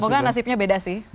semoga nasibnya beda sih